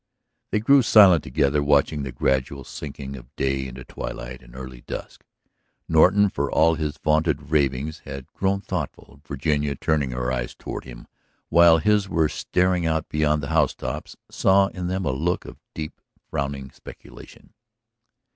They grew silent together, watching the gradual sinking of day into twilight and early dusk. Norton, for all his vaunted ravings, had grown thoughtful; Virginia turning her eyes toward him while his were staring out beyond the house tops saw in them a look of deep, frowning speculation.